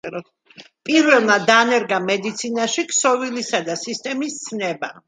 პირველმა დანერგა მედიცინაში „ქსოვილისა“ და „სისტემის“ ცნება.